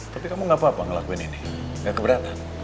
tapi kamu enggak apa apa ngelakuin ini enggak keberatan